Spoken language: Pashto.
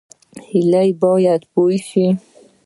هیلې باید پوره شي